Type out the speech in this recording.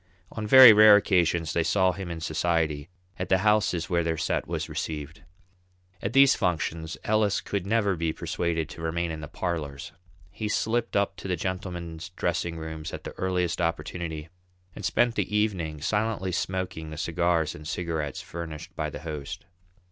On very rare occasions they saw him in society, at the houses where their "set" was received. At these functions Ellis could never be persuaded to remain in the parlours; he slipped up to the gentlemen's dressing rooms at the earliest opportunity, and spent the evening silently smoking the cigars and cigarettes furnished by the host.